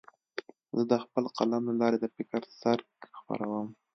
زه د خپل قلم له لارې د فکر څرک خپروم.